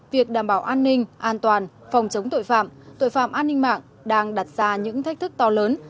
việc đảm bảo an ninh an toàn phòng chống tội phạm tội phạm an ninh mạng đang đặt ra những thách thức to lớn